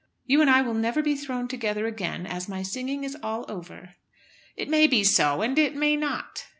"You and I will never be thrown together again, as my singing is all over." "It may be so and it may not."